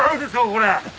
これ。